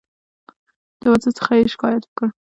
د وضع څخه یې شکایت وکړ.